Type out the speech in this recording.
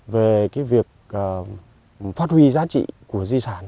về việc phát huy giá trị của di sản